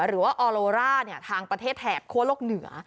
หรือว่าออโลร่าทางประเทศแถบคั่วโลกเหนือ